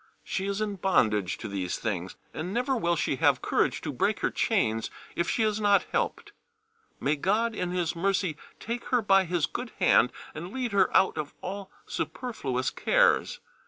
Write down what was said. She is in bondage to these things, and never will she have courage to break her chains if she is not helped. May God in His mercy take her by His good hand and lead her out of all superfluous cares.